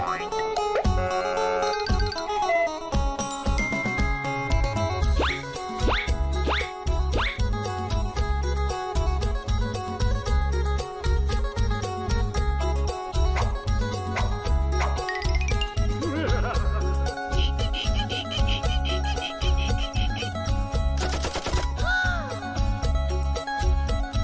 อีก